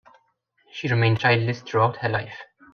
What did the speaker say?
She remained childless throughout her life.